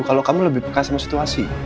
kalau kamu lebih peka sama situasi